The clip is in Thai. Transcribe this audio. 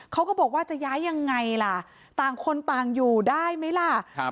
เขาก็บอกว่าจะย้ายยังไงล่ะต่างคนต่างอยู่ได้ไหมล่ะครับ